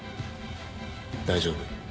大丈夫。